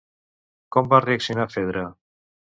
Com va reaccionar Fedra?